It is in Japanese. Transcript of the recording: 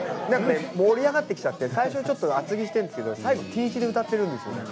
なんか盛り上がってきちゃって、最初、ちょっと厚着してるんですけど、最後、Ｔ１で歌ってるんですよ。